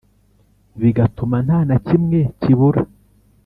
bigatuma nta na kimwe kibura.